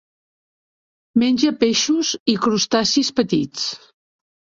Menja peixos i crustacis petits.